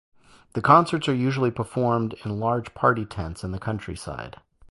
The concerts are usually performed in large party tents in the countryside.